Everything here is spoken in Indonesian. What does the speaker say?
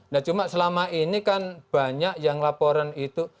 nah cuma selama ini kan banyak yang laporan itu